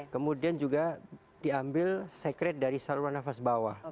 kemudian juga diambil sekret dari saluran nafas bawah